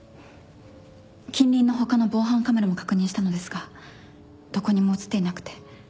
近隣の他の防犯カメラも確認したのですがどこにも写っていなくて。